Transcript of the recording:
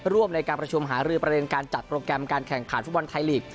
ร่วมในการประชุมหารือประเด็นการจัดโปรแกรมการแข่งขันฟุตบอลไทยลีก